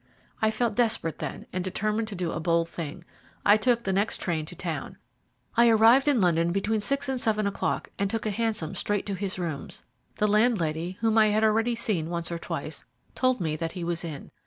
I felt desperate then, and determined to do a bold thing. I took the next train to town. I arrived in London between six and seven o'clock and took a hansom straight to his rooms. The landlady, whom I had already seen once or twice, told me that he was in.